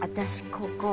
ここ。